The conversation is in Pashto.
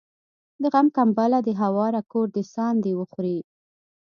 د غم کمبله دي هواره کور دي ساندي وخوري